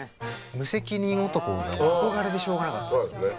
無責任男が憧れでしょうがなかったんですよ。